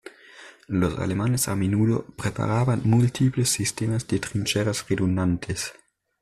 Los alemanes a menudo preparaban múltiples sistemas de trincheras redundantes.